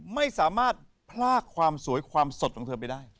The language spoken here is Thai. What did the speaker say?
ไม่สามารถพลากความสวยความสดของเธอไปได้